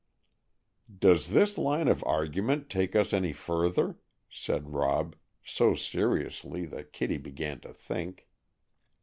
"Does this line of argument take us any further?" said Rob, so seriously that Kitty began to think.